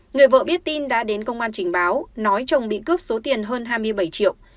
người vợ biết tin đã đến công an trình báo nói chồng bị cướp số tiền hơn hai mươi bảy triệu